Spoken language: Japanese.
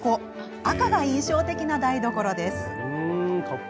赤が印象的な台所です。